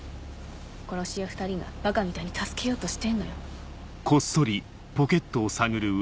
殺し屋２人がバカみたいに助けようとしてんのよ。